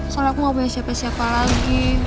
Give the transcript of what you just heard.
soalnya aku gak punya siapa siapa lagi